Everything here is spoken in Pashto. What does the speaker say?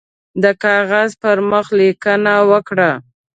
د کاغذ پر مخ لیکنه وکړه.